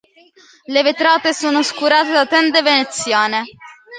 Le vetrate sono oscurate da tende veneziane.